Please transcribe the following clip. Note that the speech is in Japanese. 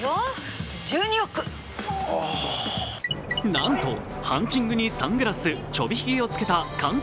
なんと、ハンチングにサングラス、ちょびひげをつけた監督